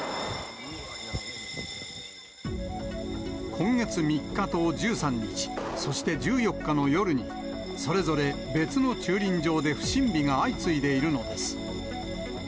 今月３日と１３日、そして１４日の夜に、それぞれ別の駐輪場で不審火が相次いでいるのです。